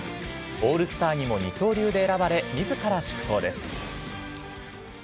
オールスターにも二刀流で選ばれ、みずから祝砲です。